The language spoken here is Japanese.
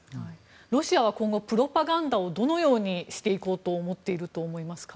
ロシアは今後プロパガンダをどのようにしていこうと思っていると思いますか。